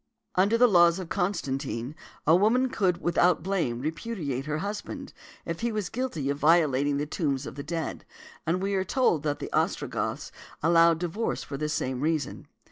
|152| Under the laws of Constantine, a woman could without blame repudiate her husband, if he was guilty of violating the tombs of the dead; and we are told that the Ostrogoths allowed divorce for this same reason.